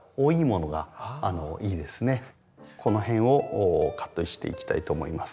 この辺をカットしていきたいと思います。